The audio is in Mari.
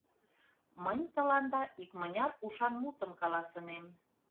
— Мынь тыланда икмыняр ушан мутым каласынем.